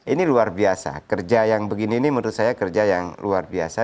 ini luar biasa kerja yang begini ini menurut saya kerja yang luar biasa